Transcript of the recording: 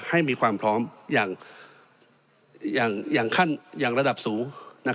ให้มีความพร้อยอย่างอย่างอย่างขั้นอย่างระดับสูง